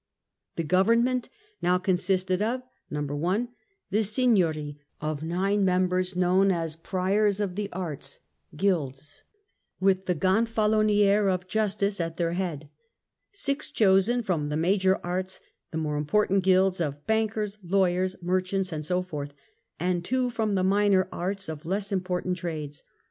The government now consisted of :— 1. The Signory of nine members, known as Priors of the Arts (Guilds), with the Gonfalonier of Justice at their head. Six chosen from the Major Arts, the more important guilds of bankers, lawyers, merchants and so forth, and two from the Minor Arts, of less important trades.